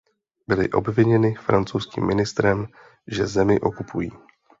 Byli obviněni francouzským ministrem, že zemi okupují.